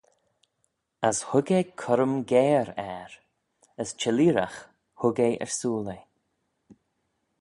As hug eh currym geyre er, as chelleeragh hug eh ersooyl eh.